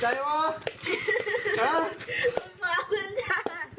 ขึ้นใกล้ว่าไปไหนอ่ะพ่อ